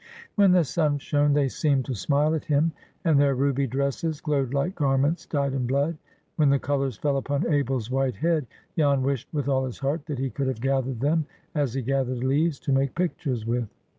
When the sun shone, they seemed to smile at him, and their ruby dresses glowed like garments dyed in blood. When the colors fell upon Abel's white head, Jan wished with all his heart that he could have gathered them as he gathered leaves, to make pictures with.